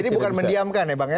jadi bukan mendiamkan ya bang ya